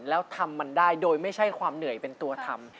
แล้วทำมันได้โดยไม่ใช่ความเหนื่อยเป็นตัวทำ